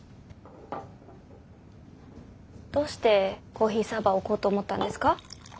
どうしてコーヒーサーバーを置こうと思ったんですか？